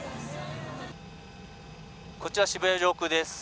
こちら渋谷上空です。